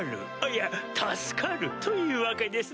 いや助かるというわけですな！